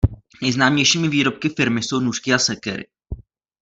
Nejznámějšími výrobky firmy jsou nůžky a sekery.